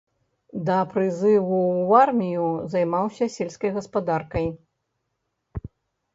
Да прызыву ў армію займаўся сельскай гаспадаркай.